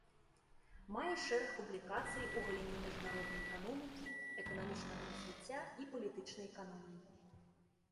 Мае шэраг публікацый у галіне міжнароднай эканомікі, эканамічнага развіцця, і палітычнай эканоміі.